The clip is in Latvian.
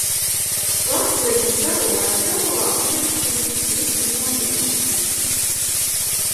Plastilīns sarullēts gabalā, pielipini drusciņ mazumiņu.